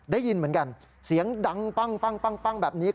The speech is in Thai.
ได้ยินเหมือนกันเสียงดังปั้งแบบนี้